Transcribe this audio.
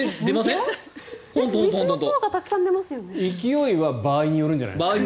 勢いは場合によるんじゃないですか。